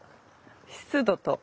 湿度と。